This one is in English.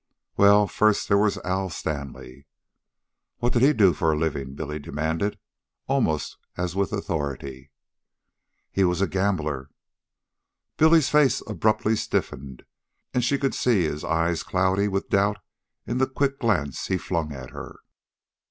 "Well, first there was Al Stanley " "What did he do for a livin'?" Billy demanded, almost as with authority. "He was a gambler." Billy's face abruptly stiffened, and she could see his eyes cloudy with doubt in the quick glance he flung at her.